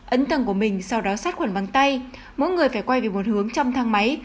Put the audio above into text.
ấn tầng của mình sau đó sát khuẩn bằng tay mỗi người phải quay về một hướng trong thang máy